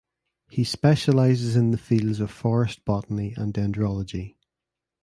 He specializes in the fields of forest botany and dendrology.